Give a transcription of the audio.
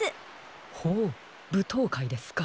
ほうぶとうかいですか。